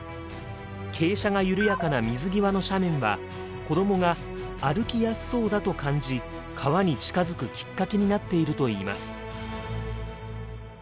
傾斜が緩やかな水際の斜面は子どもが「歩きやすそうだ」と感じ川に近づくきっかけになっているといいます。